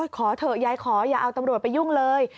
ขอเถอะยายขออย่าเอาตำรวจไปยุ่งเลย